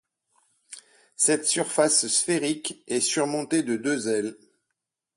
Cette surface sphérique est surmontée de deux ailes.